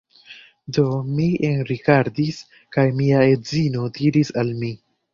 Do, mi enrigardis kaj mia edzino diris al mi